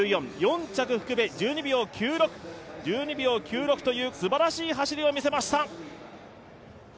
、４着、福部で１２秒９６というすばらしい走りを見せました。